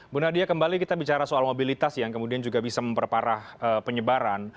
bu nadia kembali kita bicara soal mobilitas yang kemudian juga bisa memperparah penyebaran